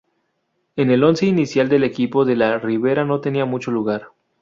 En el once inicial del equipo de la ribera no tenía mucho lugar.